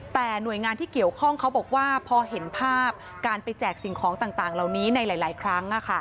แต่หน่วยงานที่เกี่ยวข้องเขาบอกว่าพอเห็นภาพการไปแจกสิ่งของต่างเหล่านี้ในหลายครั้ง